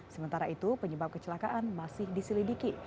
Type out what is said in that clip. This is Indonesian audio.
sementara itu penyebab kecelakaan masih diselidiki